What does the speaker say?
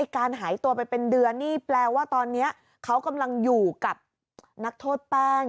การหายตัวไปเป็นเดือนนี่แปลว่าตอนนี้เขากำลังอยู่กับนักโทษแป้ง